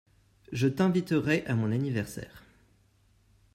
Je t'inviterai à mon anniversaire.